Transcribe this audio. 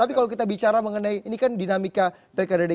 tapi kalau kita bicara mengenai ini kan dinamika pdip jakarta tujuh puluh persen